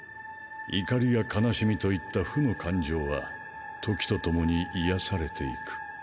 怒りや悲しみといった負の感情は時と共に癒やされていく。